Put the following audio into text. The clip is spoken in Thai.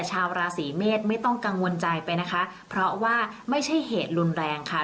ชาวราศีเมษไม่ต้องกังวลใจไปนะคะเพราะว่าไม่ใช่เหตุรุนแรงค่ะ